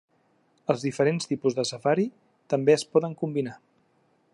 Els diferents tipus de safari també es poden combinar.